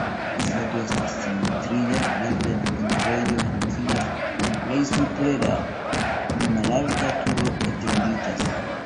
La fasado estas simetria, meze la enirejo funkcias, plej supre la malalta turo etendiĝas.